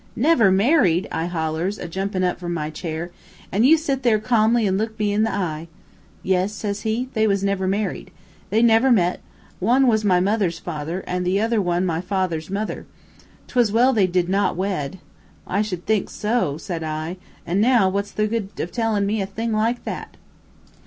'Never married!' I hollers, a jumpin' up from my chair, 'and you sit there carmly an' look me in the eye.' 'Yes,' says he, 'they was never married. They never met; one was my mother's father, and the other one my father's mother. 'Twas well they did not wed.' 'I should think so,' said I, 'an' now, what's the good of tellin' me a thing like that?'